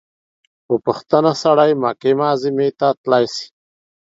په پوښتنه سړى مکې معظمې ته تلاى سي.